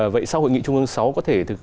vậy sao hội nghị trung ương sáu